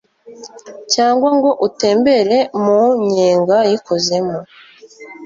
cyangwa ngo utembere mu nyenga y'ikuzimu